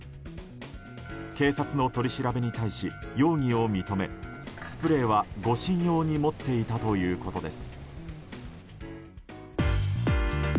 警察の取り調べに対し容疑を認めスプレーは護身用に持っていたということです。